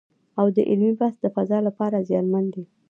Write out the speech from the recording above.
او د علمي بحث د فضا لپاره زیانمن دی